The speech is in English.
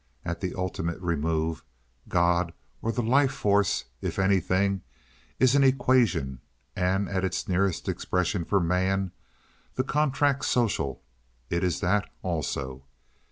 At the ultimate remove, God or the life force, if anything, is an equation, and at its nearest expression for man—the contract social—it is that also.